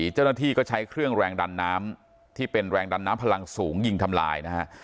เจ้าหน้าที่ก็ใช้เครื่องแรงดันน้ำที่เป็นแรงดันน้ำพลังสูงยิงทำลายนะฮะ